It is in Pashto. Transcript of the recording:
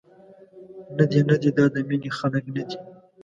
ندي، ندي دا د مینې خلک ندي.